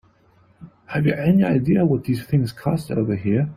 Have you any idea what these things cost over here?